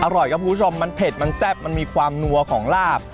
อร่อยครับคุณผู้ชมมันเผ็ดมันแซ่บมันมีความนัวของลาบ